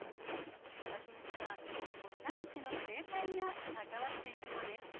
その秘密はオサムシの生態が関わっているのです。